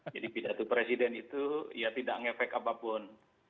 jadi pidato presiden itu tidak ngefek apapun